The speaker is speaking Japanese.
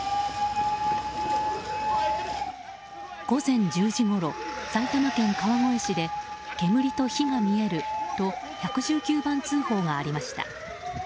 午前１０時ごろ埼玉県川越市で煙と火が見えると１１９番通報がありました。